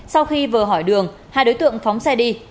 sau khi vừa hỏi đường hai đối tượng phóng xe đi